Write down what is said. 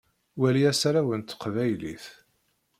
Wali asaraw n teqbaylit.